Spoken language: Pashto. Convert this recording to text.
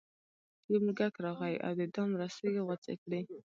یو موږک راغی او د دام رسۍ یې غوڅې کړې.